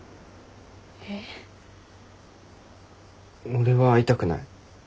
俺は会いたくない。